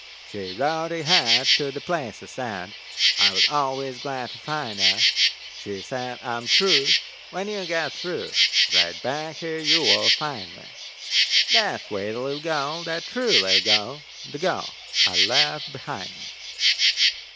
She wrote ahead to the place I said, I was always glad to find it. She says, "I am true, when you get through Right back here you will find me." That sweet little gal, that true little gal, The gal I left behind me!